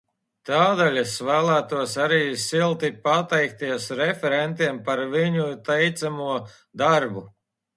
Tādēļ es vēlētos arī silti pateikties referentiem par viņu teicamo darbu.